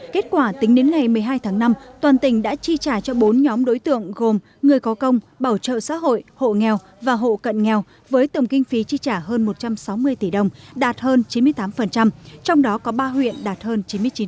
kết quả tính đến ngày một mươi hai tháng năm toàn tỉnh đã chi trả cho bốn nhóm đối tượng gồm người có công bảo trợ xã hội hộ nghèo và hộ cận nghèo với tổng kinh phí chi trả hơn một trăm sáu mươi tỷ đồng đạt hơn chín mươi tám trong đó có ba huyện đạt hơn chín mươi chín